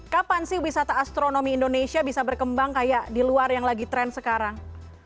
kapan sih wisata astronomi indonesia bisa berkembang kayak di luar yang lagi tren sekarang